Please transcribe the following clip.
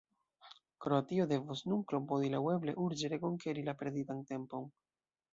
Kroatio devos nun klopodi laŭeble urĝe rekonkeri la perditan tempon.